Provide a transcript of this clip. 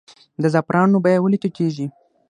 د زعفرانو بیه ولې ټیټیږي؟